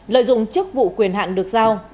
lợi dụng chức vụ quyền hạn được giao